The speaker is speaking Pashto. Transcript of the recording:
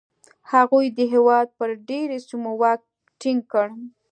هغوی د هېواد پر ډېری سیمو واک ټینګ کړ